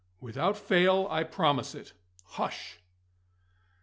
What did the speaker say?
"Without fail, I promise it. Hush!"